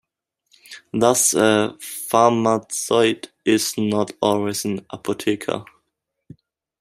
Thus a "Pharmazeut" is not always an "Apotheker".